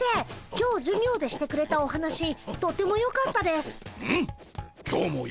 今日授業でしてくれたお話とてもよかったです。